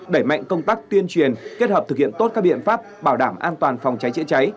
đẩy mạnh công tác tuyên truyền kết hợp thực hiện tốt các biện pháp bảo đảm an toàn phòng cháy chữa cháy